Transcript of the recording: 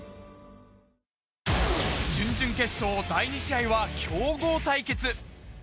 準々決勝、第２試合は強豪対決。